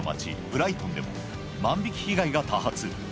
ブライトンでも万引き被害が多発